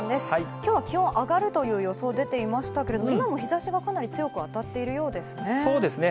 きょうは気温上がるという予想出ていましたけれども、今も日ざしがかなり強く当たっているようですね。